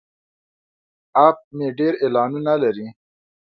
اپ مې ډیر اعلانونه لري.